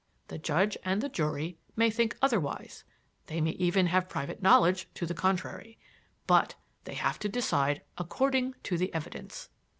The judge and the jury may think otherwise they may even have private knowledge to the contrary but they have to decide according to the evidence."